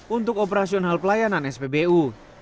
untuk operasional pelayanan spbu